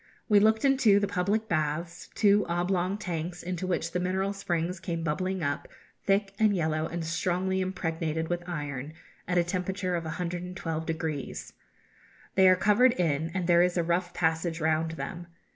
We looked into the public baths, two oblong tanks, into which the mineral springs came bubbling up, thick and yellow, and strongly impregnated with iron, at a temperature of 112°. They are covered in, and there is a rough passage round them.